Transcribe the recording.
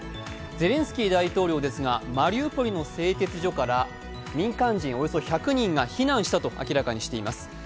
ゼレンスキー大統領ですが、マリウポリの製鉄所から民間人およそ１００人が避難したと明らかにしています。